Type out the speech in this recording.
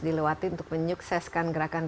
dilewati untuk menyukseskan gerakan